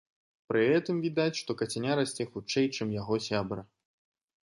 Пры гэтым відаць, што кацяня расце хутчэй, чым яго сябра.